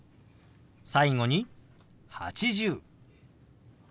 最後に「８０」。